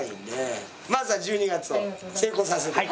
まずは１２月を成功させて。